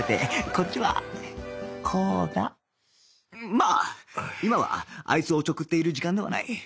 まあ今はあいつをおちょくっている時間ではない